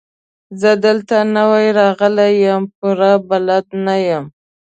زه دلته نوی راغلی يم، پوره بلد نه يم.